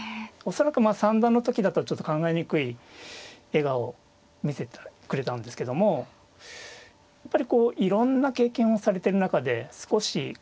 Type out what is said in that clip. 恐らくまあ三段の時だとちょっと考えにくい笑顔を見せてくれたんですけどもやっぱりこういろんな経験をされてる中で少し心に余裕があるというか。